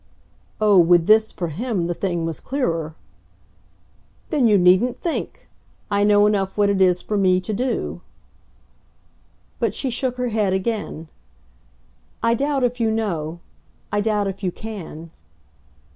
Oh, with this, for him, the thing was clearer! "Then you needn't think. I know enough what it is for me to do." But she shook her head again. "I doubt if you know. I doubt if you CAN."